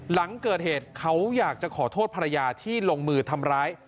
หลังเกิดเหตุเขาอยากจะขอโทษภรรยาที่ลงมือทำร้าย